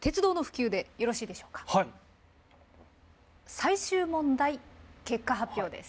最終問題結果発表です。